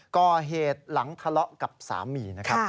ก่อเหตุหลังทะเลาะกับสามีนะครับ